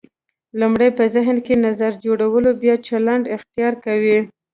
لومړی په ذهن کې نظر جوړوو بیا چلند اختیار کوو.